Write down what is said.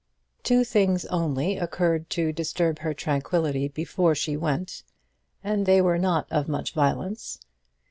Two things only occurred to disturb her tranquillity before she went, and they were not of much violence.